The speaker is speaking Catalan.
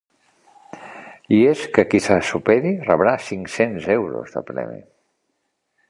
I és que qui es superi rebrà cinc-cents euros de premi.